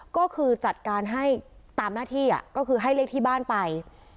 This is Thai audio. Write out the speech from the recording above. ก็คือจัดการให้ตามหน้าที่ก็คือให้เลขที่บ้านไป